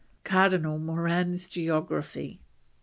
CARDINAL MORAN'S GEOGRAPHY.